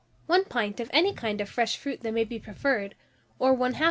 of rice, 1 pint of any kind of fresh fruit that may be preferred, or 1/2 lb.